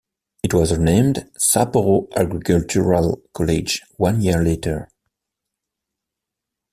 It was renamed Sapporo Agricultural College one year later.